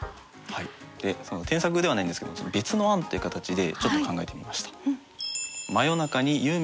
添削ではないんですけども別の案っていう形でちょっと考えてみました。